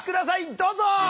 どうぞ！